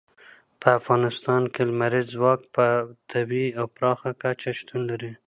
په افغانستان کې لمریز ځواک په طبیعي او پراخه کچه شتون لري.